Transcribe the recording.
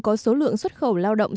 có số lượng xuất khẩu lao động